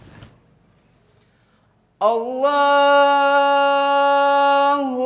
allahu akbar allah